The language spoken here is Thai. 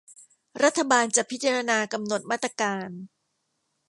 รัฐบาลจะพิจารณากำหนดมาตรการ